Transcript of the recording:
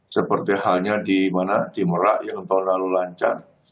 seperti halnya di mana di merak yang tahun lalu lancar